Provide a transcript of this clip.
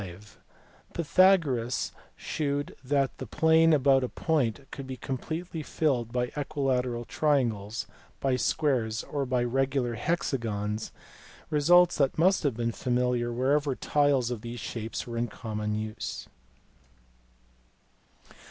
(v) Pythagoras shewed that the plane about a point could be completely filled by equilateral triangles, by squares, or by regular hexagons results that must have been familiar where ever tiles of these shapes were in common use.